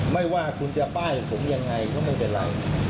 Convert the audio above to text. ไม่ว่าคุณจะป้ายผมยังไงก็ไม่เป็นไร